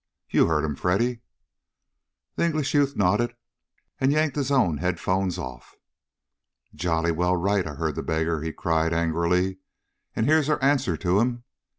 You heard him, Freddy?" The English youth nodded, and yanked his own headphones off. "Jolly well right, I heard the beggar!" he cried angrily. "And here's our answer to him.